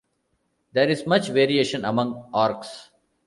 There is much variation among Orcs.